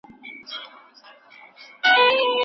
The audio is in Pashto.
په پوره امانتدارۍ سره مسؤليت ادا کړئ.